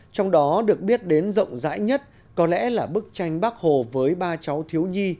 trong đó được biết đến rộng rãi nhất có lẽ là bức tranh bác hồ với ba cháu thiếu nhi